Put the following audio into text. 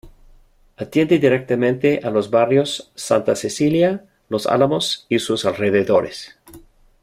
Atiende directamente a los barrios Santa Cecilia, Los Álamos y sus alrededores.